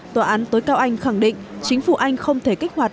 tòa án tối cao anh khẳng định chính phủ anh không thể kích hoạt